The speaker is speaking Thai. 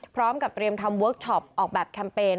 พร้อมกับเตรียมทำเวิร์คชอปออกแบบแคมเปญ